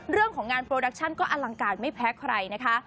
เรื่องของงานโปรดักชั่นก็อลังการไม่แพ้ใครนะคะ